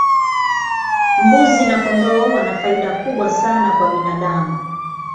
mbuzi na kondoo wana faida kubwa sana kwa binadamu